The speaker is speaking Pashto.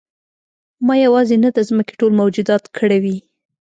ما یوازې نه د ځمکې ټول موجودات کړوي.